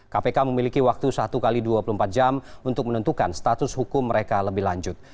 kpk memiliki waktu satu x dua puluh empat jam untuk menentukan status hukum mereka lebih lanjut